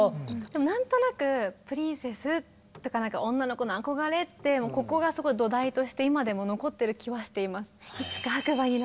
でもなんとなくプリンセスとか女の子の憧れってここがすごい土台として今でも残ってる気はしています。